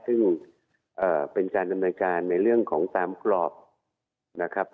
ซึ่งเป็นการดำเนินการในเรื่องของตามกรอบนะครับ